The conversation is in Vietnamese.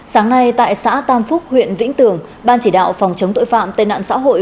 sáng nay tại xã tam phúc huyện vĩnh tường ban chỉ đạo phòng chống tội phạm tên nạn xã hội